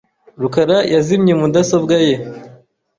rukara yazimye mudasobwa ye .